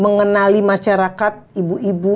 mengenali masyarakat ibu ibu